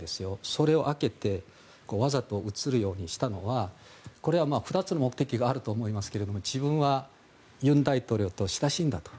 それを開けてわざと写るようにしたのは２つ、目的があると思いますけれども自分は尹大統領と親しいんだと。